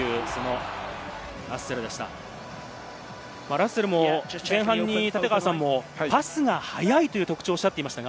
ラッセルも前半に立川さんもパスが速いという特徴をおっしゃっていました。